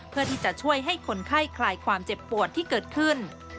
เพื่อที่จะช่วยให้คนไข้คลายความเจ็บปวดที่เกิดขึ้น